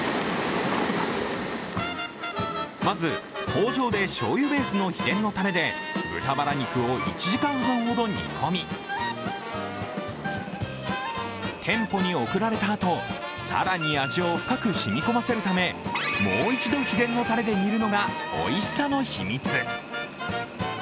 まず、工場でしょうゆベースの秘伝のタレで豚バラ肉を１時間半ほど煮込み店舗に送られたあと更に味を深く染み込ませるためもう一度秘伝のたれで煮るのがおいしさの秘密。